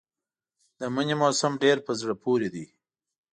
د مني موسم ډېر په زړه پورې دی.